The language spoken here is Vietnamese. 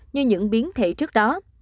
như những biến thể trước đó